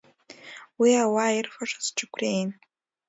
Уи ауаа ирфашаз џьықәреин.